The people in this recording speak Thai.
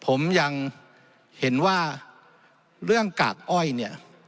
ผมยังเห็นว่าเรื่องกากอ้อยเนี่ย